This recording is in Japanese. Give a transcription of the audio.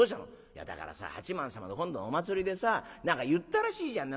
「いやだからさ八幡様の今度のお祭りでさ何か言ったらしいじゃん。